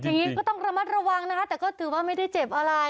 อย่างนี้ก็ต้องระมัดระวังนะคะแต่ก็ถือว่าไม่ได้เจ็บอะไร